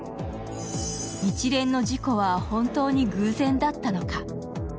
一連の事故は本当に偶然だったのか？